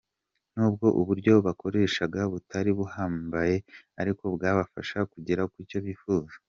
Nubwo uburyo bakoreshaga butari buhambaye ariko bwabafasha kugera ku cyo bifuza.